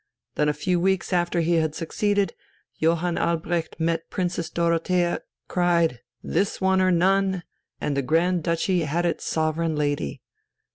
Then, a few weeks after he had succeeded, Johann Albrecht met Princess Dorothea, cried, "This one or none!" and the Grand Duchy had its sovereign lady.